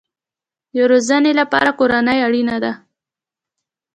د روزنې لپاره کورنۍ اړین ده